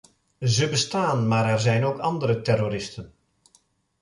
Ze bestaan, maar er zijn ook andere terroristen.